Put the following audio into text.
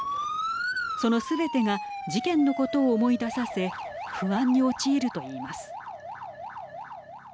そのすべてが事件のことを思い出させ不安に陥るといいます。